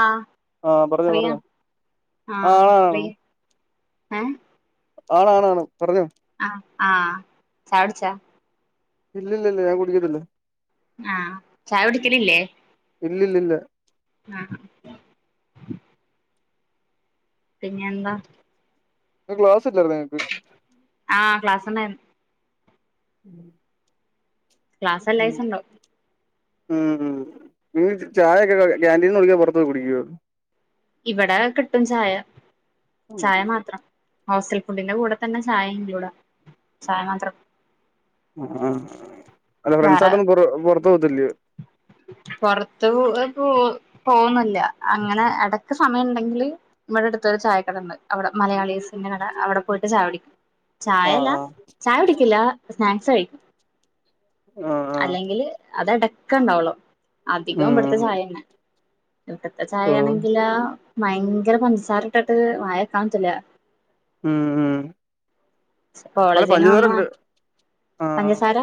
ആഹ് ആഹ് പറഞ്ഞോ ഫ്രീയാ പറഞ്ഞോ ആഹ് ആണ് ആണ് ഉം ആണ് ആണാണ് പറഞ്ഞോ ആഹ് ആഹ് ചായ കുടിച്ചാ ഇല്ലില്ലില്ല ഞാൻ കുടുക്കത്തില്ല ആഹ് ചായ കുടിക്കലില്ലേ ഇല്ലില്ലില്ല ആഹ് പിന്നെ എന്താ ഇന്ന് ക്ലാസ്സ്‌ ഇല്ലാരുന്നോ നിങ്ങക്ക് ആഹ് ക്ലാസ് ഉണ്ടാരുന്നു ഉം ക്ലാസ് എല്ലാ ദിവസവും ഉണ്ടാവും ഉം നിങ്ങ ചായൊക്കെ കാന്റീൻന്ന് കുടിക്കുവോ പുറത്ത് പോയി കുടിക്കുവോ ഇവിടെ കിട്ടും ചായ ചായ മാത്രം ഹോസ്റ്റൽ ഫുഡിന്റെ കൂടെ തന്നെ ചായ ഇൻക്ലൂഡാ ചായ മാത്രം ആഹ് അല്ല ഫ്രണ്ട്സ് വേറെ ആയിട്ട് ഒന്നും പുറത്ത് പോത്തില്ലിയോ പുറത്ത് പോ പോകുന്നില്ല അങ്ങനെ ഇടക്ക് സമയം ഉണ്ടെങ്കില് ഇവിടെ അടുത്തൊരു ചായക്കട ഉണ്ട് അവിടെ മലയാളീസിന്റെ കട അവിടെ പോയിട്ട് ചായ കുടിക്കും ചായ ആഹ് അല്ല ആഹ് ചായ കുടിക്കില്ല സ്നാക്സ് കഴിക്കും ഏഹ് അല്ലെങ്കില് അത് ഇടക്കുണ്ടാവുള്ളൂ അധികവും ഇവിടുത്തെ ഉം ചായ തന്നെ ഇവിടുത്തെ ഓഹ് ചായയാണെങ്കിലാ ഭയങ്കര പഞ്ചസാര ഇട്ടട്ട് വായെക്കാ പറ്റൂല്ല മം അവിടെ കോളേജിന്ന് പഞ്ചസാര വന്ന ഇട്ടിട്ട് ആഹ് പഞ്ചസാര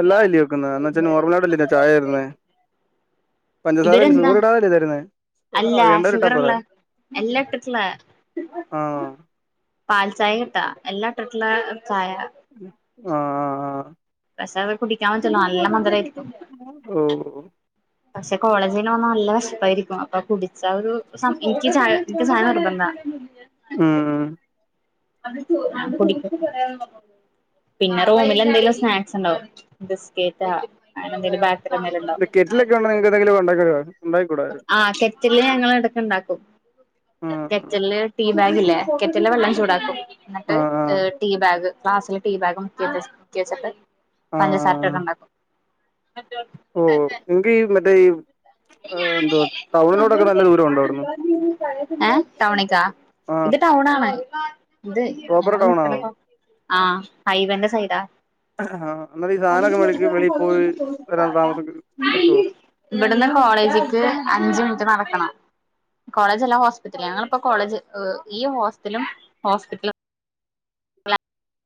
അല്ലായില്ലിയോവെക്കന്ന് എന്ന് വെച്ചാ നോർമലായിട്ടല്ലെ ചായ തരുന്നെ [unintelligible] പഞ്ചസാര ഇവരെന്താ ഷുഗർ ഇടാതല്ലേ തരുന്നെ അല്ല വേണ്ടവര് ഷുഗറുള്ള ഇട്ടാപ്പോരെ എല്ലാം ഇട്ടിട്ടുള്ള ആഹ് പാൽ ചായ കിട്ടാ എല്ലാം ഇട്ടിട്ടുള്ള ചായ ആഹ് പക്ഷെ അത് കുടിക്കാൻ പറ്റില്ല നല്ല മധുരം ആയിരിക്കും ഓ ഓ പക്ഷെ കോളേജിന്ന് വന്നാ നല്ല വിശപ്പായിരിക്കും അപ്പൊ കുടിച്ചാ ഒരു സം എനിക്ക് എനിക്ക് ചായ നിർബന്ധാ മ് [unintelligible] കുടി പിന്നെ റൂമിൽ എന്തെങ്കിലും സ്നാക്സ് ഉണ്ടാവും ബിസ്കറ്റാ അങ്ങനെ എന്തെങ്കിലും എന്തെങ്കിലും ഉണ്ടാവും കെറ്റ്‌ലൊക്കെ ഉണ്ടെങ്കി എന്തെങ്കിലുംഒക്കെ ഉണ്ടാക്കാം ആഹ ഗെറ്റലില് ഇടക്ക് ഇണ്ടാക്കും ആഹ് ഗെറ്റില് ടീ ബാഗ് ഇല്ലേ കേറ്റലിലെ വെള്ളം ചൂടാക്കും എന്നിട്ട് ആഹ് ആഹ് ടീ ബാഗ് ക്ലാസ്സിലെ ടീ ബാഗും മുക്കി വെച്ചിട്ട് പഞ്ചസാര ഇട്ടിട്ട് ഒണ്ടാക്കും ഉം ന്തി ഈ മറ്റേ ഈ എന്തോ ഏഹ് ടൗണിക്കോ ആഹ് ഇത് ടൗൺ ആണ് ഇത് പ്രോപ്പർ ഞങ്ങള് ടൗണാണോ നിക്കണത് ആഹ് ഹൈവന്റെ സൈഡ് [inaudible] ആഹ് അന്നേരം ഈ സാധനൊക്കെ മേടിക്ക് വെളിയിൽ പോയി വരാൻ താമസം കിട്ടുവോ ഇവിടന്ന് കോളേജിക്ക് അഞ്ച്മിനിറ്റ് നടക്കണം കോളേജ് അല്ല ഹോസ്പിറ്റൽ ഞങ്ങളിപ്പോ കോളേജ് ഈ ഹോസ്റ്റലും ഹോസ്പിറ്റലും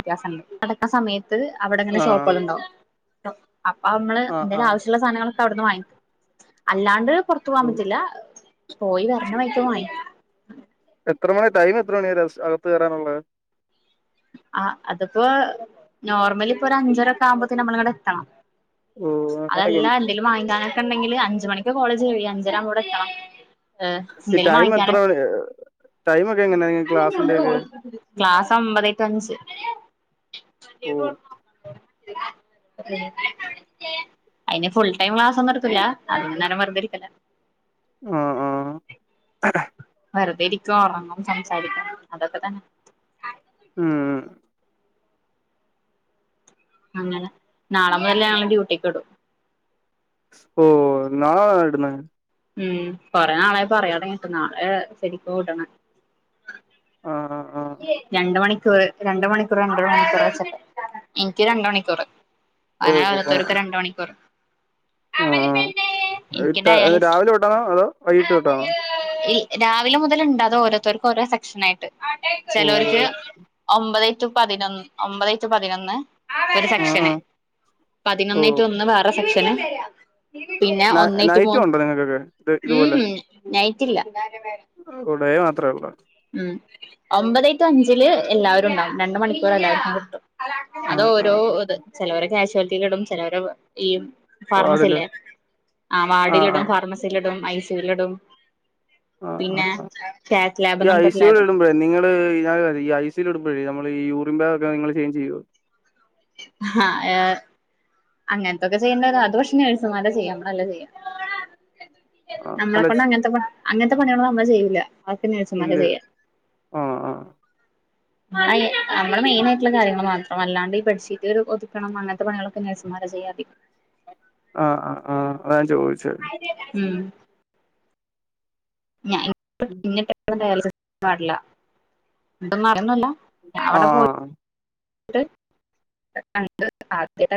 വ്യത്യാസണ്ട് നടക്കുന്ന സമയത്ത് അവിടെങ്ങനെ ആഹ് ഷോപ്പുകളണ്ടാവും അപ്പൊ നമ്മള് ആഹ് എന്തായാലും ആഹ് ആവശ്യ- ഇള്ള സാധനങ്ങളൊക്കെ അവിടുന്ന് വാങ്ങിക്കും അല്ലാണ്ട് പുറത്തു പോവാാൻ ഓഹ് പറ്റില്ല പോയി വരുന്ന വഴിക്ക് വാങ്ങിക്കും എത്ര മണി ടൈം എത്ര മണിവരെ അകത്ത് കയറാനുള്ളത് ആഹ് അത്പ്പോ നോർമല് ഇപ്പൊരു അഞ്ചരൊക്കെ ആവുമ്പോത്തിന് നമ്മളിടെ എത്തണം ഓഹ് അതല്ല അങ്ങനൊക്കെയുണ്ട് എന്തെേലും വാങ്ങാനൊക്കെ ഉണ്ടെങ്കിൽ അഞ്ച്മണിക്ക് കോളേജ് കയ്യും അഞ്ചരകു മ്പോബടെഎത്തണം ഏഹ് ഈ എന്തേിലും ടൈം എത്ര വാങ്ങിക്കാന- മണി ടൈമൊക്കെ എങ്ങനെയാ നിങ്ങ ക്ലാസ്സിന്റെയൊക്കെ ക്ലാസ്സ്‌ ഒമ്പത് മണി ഓഹ് [inaudible] അയ്ന് ഫുൾ ടൈം ക്ലാസ്സൊന്നും എടുക്കൂല അതിക നേരം വറുതെ ഇരിക്കല ആഹ് ആഹ് വെറുതെ ഇരിക്കും ഉറങ്ങും സംസാരിക്കും അതൊക്കെ തന്നെ ഉം അങ്ങനെ നാളെ മുതല്ലേ ഞങ്ങളെ ഡ്യൂട്ടിക്ക് ടും ഓഹ് നാളെയാണോ ഇടുന്നെ ഉം കൊറെേ നാളായി പറയാടങ്ങിട് നാളെ ശരിക്കും ട്ണ് ആഹ് ആഹ് രണ്ട് മണിക്കൂർ രണ്ട്മണിക്കൂർ രണ്ട് മണിക്കൂർ വച്ചിട്ട് എനിക്ക് രണ്ടണിക്കൂർ അങ്ങനെ ഓഹ് ഓഹ് ആഹ് ഓരോരുത്തർക്ക് രണ്ട് മണിക്കൂറ് ആഹ് എനിക്ക് ആഹ് ഡയാലിസിസ് രാവിലെ തൊട്ടാണോ അതോ വൈകിട്ട് തൊട്ടാണോ ഈ രാവിലെ മുതൽ ഉണ്ട് ഓരോത്തർക്കും ഓരോ സെക്ഷന ആയിട്ട് ഓ ചേലോർക്ക് ഒമ്പത് റ്റു പതിനൊന്ന് ഒമ്പതെ റ്റു പതിനൊന്ന് ഒരു ആഹ് സെക്ഷന് ആഹ് ഓ പതിനൊന്നെ റ്റു ഒന്ന് വേറെ സെക്ഷന് പിന്നെ ന ഒന്നേ റ്റു നൈറ്റും മൂന്ന് ഉണ്ടോ നിങ്ങൾക്കൊക്കെ ഇത് ഉം ഉം നൈറ്റ് ഇല്ല കടയേ മാത്രമേ ഉള്ളൂ ഉം ഒമ്പതായിട്ടു അഞ്ചില് എല്ലാവരും ഉണ്ടാവും രണ്ട് മണിക്കൂർ എല്ലാവർക്കും കിട്ടും അത് ആഹ് ഓരോ ആഹ് ഇത് ചിലവര് കാഷ്യലിറ്റി കിടും ചിലവരെ ഈ ഫാർമസി വാർഡില് ല്ലേ ആ വടിൽ ആഹ് ഇടും ആഹ് ഫാർമസി ഫാർമസില്ടും ഐ സി ലിടും ആഹ് പിന്നെ ആഹ് ആഹ് കാറ്റ് ഈ ലാബ്ന്ന് ഐ സി ല് ഇടുമ്പോഴേ നിങ്ങള് ഞൻ ഐസിൽ ഇടുമ്പോഴേ നമ്മൾ യൂറിന് ബാഗക്കെ നിങ്ങള് ചേഞ്ച് ചെയ്യോ ആഹ് ഏഹ് അങ്ങനത്തൊക്കെ ചെയ്യേണ്ടരും അത് പക്ഷേ നേഴ്സ്മാരാ ചെയ്യാം നമ്മളല്ല ചെയ്യ ആഹ് നമ്മളെ അല്ല കൊൊണ്ട് അങ്ങന്ത്തെ അങ്ങനത്തെ പണിയാളൊന്നുമ് നമ്മള് ല വാക്കിന്നി നെയ്സ്മാരാ ഇല്ലേ ചെയ്യാ ആഹ് ആഹ് മ്മൾ നമ്മെൾ മെയിന ആയിട്ടുള്ള കാര്യങ്ങൾ മാത്രം അല്ലാണ്ട് ഈ ബെഡ് ഷീറ്റ് ഒതുക്കണം അങ്ങനത്തെ പണികളക്കെ നെയ്സ്മാര ചെയ്യാത്യം ആഹ് ആ് ആഹ് അതാൻചോയ്ച്ചത് ഉം ഞാൻ പ്പന്ന് ഡയാലിസിസ് വാർഡില എന്നും മാറോന്നില്ല ആഹ കണ്ട് ആദ്യത്തെ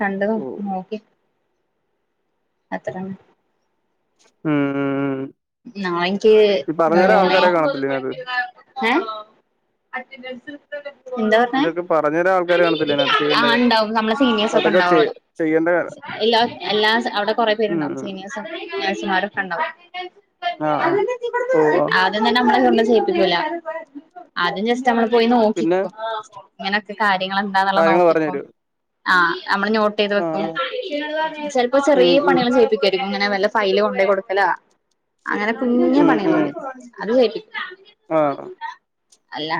കണ്ടത് ഓ നോക്കി അത്രം ഉം ഉള' നാളക്ക് മൂന്നേ കാണത്തില്ലേ ഇതിനകത്ത് അ ദസ എന്താ പറഞ്ഞ ഇതൊക്കെ പറഞ്ഞുതരാൻ ആൾക്കാര് കാണത്തില്ലേ ഇതിനകത്ത് ആഹ ചെയ്യേണ്ട ഉണ്ടാവും നമ്മളെ സീനിയേഴസ് അപ്പൊ ഒക്കെ അതൊക്കെ ഉണ്ടാവും അവിടെ ചെയ്യേണ്ട എല്ലാ എല്ലാ അവിടെ കൊറെേ ഉം പേരുണ്ടാവും ഉം സീനിയേഴ്സും നേഴ്സുമാരൊക്കെ ഉണ്ടാവും ആഹ് ആഹ് ഓ ആഹ് അത തന്നെ നമ്മ ചെയല അ നമ്മള് പോയി പിന്നെ നോക്കിക്കും ഇങ്ങനെയൊക്കെ കാര്യങ്ങൾ എന്താന്നുള്ള കാര്യങ്ങൾ പറഞ്ഞു നോക്കിക്കോ തരൂ ആഹ് നമ്മള് നോട്ട് ചെയ്ത് ആഹ് വെക്കും ആഹ് ചെപ്പോ ഉം ചെറിയ ഉം പണികൾ ചെയ്യിപ്പിക്ക ഇങ്ങനെ വല്ല ഫൈല് കൊണ്ട കൊടുക്കല അങ്ങനെ കുഞ്ഞ ഉം ഉം പണികളുണ്ട് അത് കേും ആഹ് അല്ല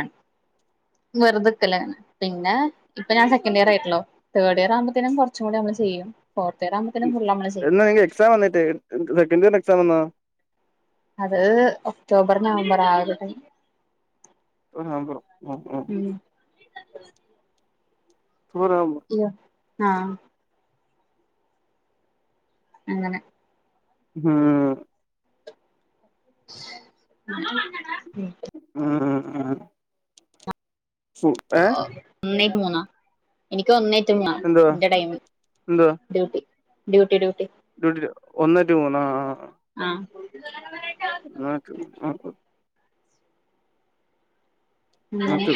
വെറുതെക്കല്ലെ പിന്നെ ഇപ്പൊ ഞാൻ സെക്കൻഡ് ഇയർ ആയിട്ടല്ലോ തേഡ് ഇയർ ആുമ്പോേും കുറച്ചു കൂടി നമ്മ ചെയ്യും ഫോർത്ത്യർ ആുമ്പത്തേും ഫുള്ളള്മ്മള് ചെയ്യും എന്നാ [inaudible] [inaudible] ക നിങ്ങക്ക് എക്സാം വന്നിട്ട് സെക്കൻ് ഇയറിന് എക്സാം വന്നോ അത് ഒക്ടോബർ നവംബർ ആവട്ടെ ആ ഉം സുമ ഇോ ആഹ അങ്ങനെ ഹം ആഹ ഏ ഒന്നേറ്റ മൂന്നാ എനിക്ക് ഒന്നേറ്റ മൂന്നാ എന്തുവാ എന്റെ ടൈമിൽ എന്തുവാ ഡ്യൂട്ടി ഡ്യൂട്ടി ഡ്യൂട്ടി ഒന്ന് ടു മൂന്ന് ആ ആ ആക്ക ആ ഉ ഒന്ന് ടു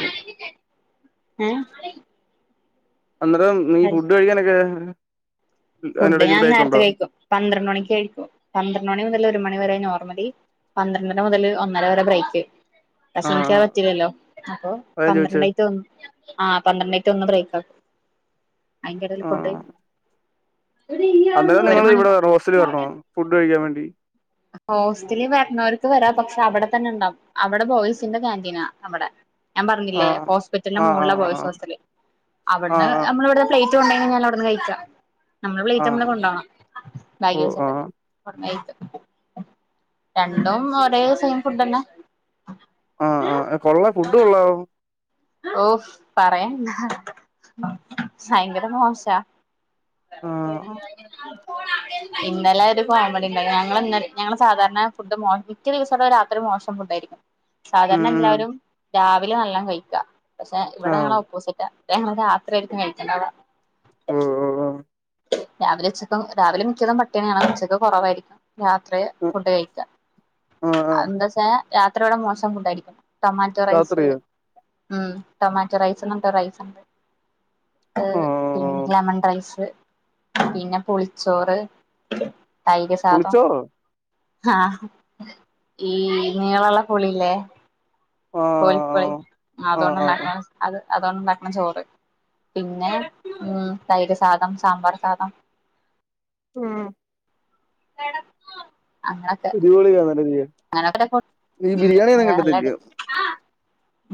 ആഹ അന്നേരം നീഈ ഫുഡ് കഴിക്കാനൊക്കെ ഫുഡ് അതിനിടയ്ക്ക് ഞാൻ ബ്രേക്ക് നേരത്തെ ഉണ്ടോ കഴിക്കും പന്ത്രണ്ട് മണിക്ക് കഴിക്കും പന്ത്രണ്ട് മണി മുതൽ ഒരു മണി വരെ നോർമലി പന്ത്രണ്ടര മുതല് ഒന്നര വരെ ബ്രേക്ക് ആഹ് പ്രസമിക്കാൻ ആഹ് പറ്റില്ലല്ലോ അപ്പൊ അതാ ഞാൻ ചോദിച്ചേ പന്ത്രണ്ടായി തോന്നും ആ പന്ത്രണ്ടെ ടു ഒന്ന് ബ്രേക്കാ അയ്‌ന്റെടേല് ഫുഡ് ആഹ് അന്നേരം ഒരു നിങ്ങള് മണി ഇവടെ ഹോസ്റ്റലി വേരണോ ഫുഡ് കഴിക്കാൻ വേണ്ടി ഹോസ്റ്റലീ വര്ണോര്ക്ക് വരാം പക്ഷെ അവടെ തന്നെ ഇണ്ടാവും അവടെ ബോയ്സിന്റെ കേന്റീനാ അവടെ ഞാൻ ആ പർഞ്ഞില്ലേ ഹോസ്പറ്റലിന്റെ ആ ആ മോൾളാ ബോയ്സ് ഹോസ്റ്റല് ആ ആ അവ്ട്ന്ന് നമ്മള് ഇവടെ പ്ലേറ്റ് കൊണ്ടെങ്കി ഞാൻ അവിടുന്ന് കഴിക്കാം നമ്മെ ആ ആ പ്ലേറ്റ് നമ്മള് കൊണ്ട പോോകണം ഓ ആ ബാഗട്ട രണ്ടും ഒരേ സെയിം ഫുഡെന്നെ ആ ആ കൊള്ളാ ഫുഡ് കൊള്ളാവോ ഓ പറയണ്ടാ സയങ്കര മോശാ ആ [inaudible] ഇന്നലെ ഒര് കോമഡി ണ്ടായി ഞങ്ങള് ന്ന ഞങ്ങള് സാധാരണ ഫുഡ് മോ മിക്ക ദിവസ രാത്രി മോശം ഫുഡാ ആായിരിക്കും ഉം സാധാരണ ഉം എല്ലാവരും രാവിലെ നല്ലം കയ്ക്കാ പക്ഷെ ഇവടെ ആ ഞങ്ങള് ഓപ്പോസിറ്റാ ഞങ്ങള് രാത്രി ആര്ക്കും കയ്ക്ക്ണ്ടാവാ [unintelligible] രാവിലെ ഉച്ചക്കും രാവിലെ മിക്കതും പട്ടിണി ആണ് ഉച്ചക്ക് കൊറവായിരിക്കും രാത്രി ഉം, ഫുഡ് കയ്ക്കാ ആ ആ എന്താച്ചാ രാത്രിയോടെ മോശം ഫുഡായിരിക്കും ടൊമാറ്റോ റൈസ് രാത്രിയോ ഉം ടൊമാറ്റോ റൈസ് ങ്ങാത്തെ റൈസ് ഇണ്ട് ക്ക് ആ പിന്നെ ലെമൺ റൈസ് പിന്നെ പുളിച്ചോറ് തൈര് സാധം പുളിച്ചോറോ ആ ഈ നീളള്ളേ പുളില്ലേ ആ കോലിപ്പൊളി ആ അതൊണ്ട് ആ ആ ഉണ്ടാക്ക്ണ അത് അതൊണ്ട് ഉണ്ടാക്ക്ണ ചോറ് പിന്നെ ഉം തൈര് സാധം സാമ്പാർ സാധം ഉം [unintelligible] അങ്ങ അടിപ്പോളി കഥ [unintelligible] അങ്ങനൊക്കേ ഉം നല്ലായിട്ട്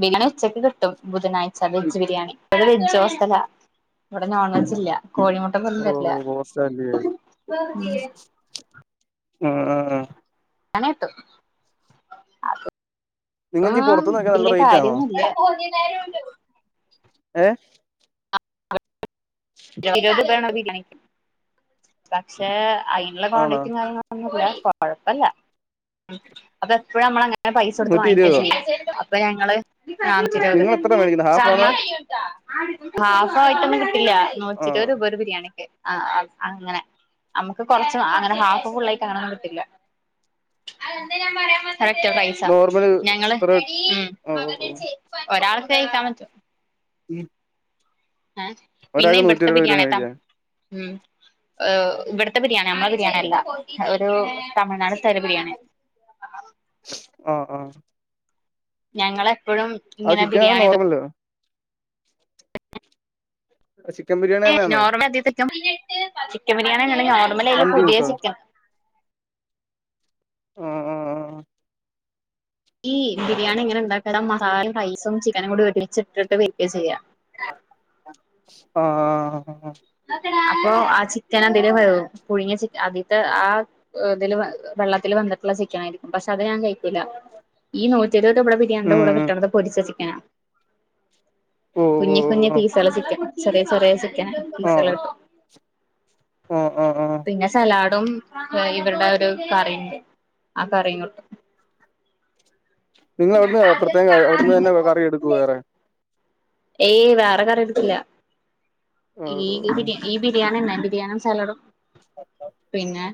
ബിരിയാണി ഉച്ചക്ക് കിട്ടും ബുധനാഴ്ച്ചാ ബി- വെജ്ജ് ബിരിയാണി ഇവടെ വെജ്ജ് ഹോസ്റ്റലാ ഇവടെ നോൺ വെജ്ജില്ലാ കോഴിമുട്ട പോലും ഓ തരില്ല ബിരിയാണി [unintelligible] ആഹ് ണിക്കിട്ടും ആ നിങ്ങക്ക് ഈ പുറത്തുന്നൊക്കെ നല്ല വല്യ റേറ്റ് ആണോ കാര്യന്നുല്ല്യ ഏഹ് [unintelligible] പക്ഷെ അയ്ന്ള്ള ആണോ കോണ്ടിറ്റിംകാര്യ ഏ കൊഴപ്പല്ല അപ്പ എപ്പോഴും അമ്മളങ്ങ നെ പൈസ ഒടുത്ത് നൂറ്റി വാങ്ങിക്ക ഇരുപതോ ചെയ്യാ അപ്പ ഞങ്ങള് നാപ്പത്തി ഇരവത് നിങ്ങളെത്ര മേടിക്കുന്നെ ഹാഫാണോ ഹാഫയിട്ടൊന്നും കിട്ടില്ലാ ആ നൂറ്റി ഇരവത് രൂപ ഒര് ബിരിയാണിക്ക് ആഹ് അങ്ങനെ അമ്മക്ക് കൊർച്ചോ അങ്ങനെ ഹാഫ് ഫുള്ളായിട്ട് അങ്ങനൊന്നും കിട്ടില്ലാ [inaudible] കറക്റ്റ് പൈസ നോർമല് ഞങ്ങള് ഇത്ര ഉം ഓ ഓ ഒരാൾക്ക് കഴിക്കാൻ പറ്റും എ ഏ പിന്നെ ഇവ്ട്ത്തെ ഇരുപത് ബിരിയാണി ബിരിയാണിട്ടാ കഴിക്കാൻ ഉം ഹ് ഇവ്ട്ത്തെ ബിരിയാണി നമ്മളെ ബിരിയാണി അല്ല ഒരു തമിഴ്നാട് തല ബിരിയാണി ആഹ് ആഹ് ഞങ്ങളെപ്പഴും അഹ് ചിക്കന നോർമലല്ലേ അ ചിക്കൻ ബിരിയാ ഏ നോർമൽ [unintelligible] ചിക്കൻ ബിരിയാണി നോർമലയ്ല് മന്തി പുതിയ കൂട്ടോ ചിക്കൻ ആഹ് അഹ് ആഹ് ഈബിരിയാണി ഇങ്ങനെ ഇണ്ടാക്കാണ മസാലം റൈസും ചിക്കനും ഒരുമിച്ചിട്ടിട്ട് വെക്കാ ചെയ്യാ ആഹ [unintelligible] അപ്പൊ ആ ചിക്കൻ അതില് വേവും പുഴുങ്ങ ച ആദ്യത്തെ ആ ഇതില് വെള്ളത്തിൽവന്നിട്ടുള്ളചിക്കനായിയിരിക്കും പക്ഷെ അത് ഞാൻ കഴിക്കൂല്ല [unintelligible] ഈ നൂറ്റിരുപത് ഇവിടെ എണ്ട കൂടെ ഉം കിട്ടണത് പൊരിച്ച ചിക്കനാണ് ഓ ഓ കുഞ്ഞി കുഞ്ഞി പീസള്ള ചിക്കൻ ചെറിയ ചെറിയ ചിക്കൻ പീസുകള് ആഹ് കിട്ടും ആഹ് ആഹ് ആഹ് പിന്നെ സലാഡും ഇവര്ടെ ഒരു കറി ഇണ്ട് ആ കറി ഇ നിങ്ങ അവിടുന്ന് പ്രത്യേക അവിടുന്ന് തന്നെ കറി [unintelligible] യ എടുക്കു വേറെ ഏയ് വേറെ കറിഎടുത്തില്ല ഓ ഓ ഈരി ഈ ബിരിയാണിന്നെ ബിരിയാണിം സാലഡും പിന്നെ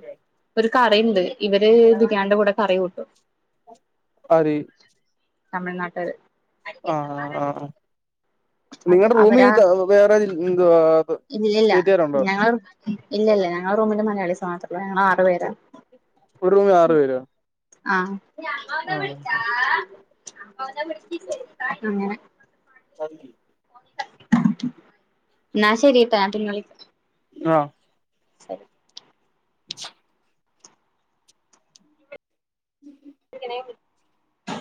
ഒരു കറി ഇണ്ട് ഇവര് ബിരിയാണിന്റെ കൂടെ കറി കൂട്ടു ആര് തമിഴ്നാട്ടാര് ആഹ് ആഹ് ആഹ് അപ്പൊ നിങ്ങടെ റൂമി അവരാ ത വേറെ ന്താ സ്റ്റേറ്റ്കാരുണ്ടോ? ഇല്ല ഇല്ല ഞങ്ങളെ റൂമില് മലയാളീസ് മാത്രാെള്ളു ഞങ്ങളാറ് പേരാ ഒര് റൂമി ആറ് പേരോ ആഹ് ആ അങ്ങനെ [unintelligible] ന്നാ ശെരീട്ടാ ഞാൻ പിന്നെ വിളി ആഹ് ശെരി [unintelligible] [inaudible] [unintelligible]